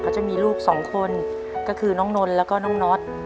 เขาจะมีลูกสองคนก็คือน้องนนท์แล้วก็น้องน็อต